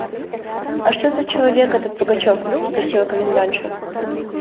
– А что за человек этот Пугачев? – спросила комендантша.